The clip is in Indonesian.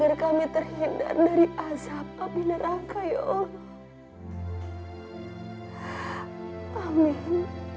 udah nggak perlu banyak drama